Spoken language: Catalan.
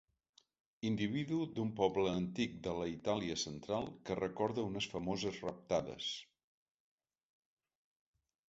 Individu d'un poble antic de la Itàlia central que recorda unes famoses raptades.